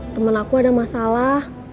temen aku ada masalah